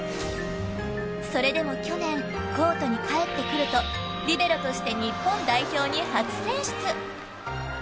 それでも去年コートに帰ってくるとリベロとして日本代表に初選出。